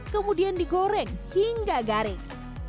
kemudian digoreng hingga garing